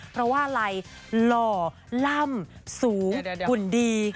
เพราะว่าอะไรหล่อล่ำสูงหุ่นดี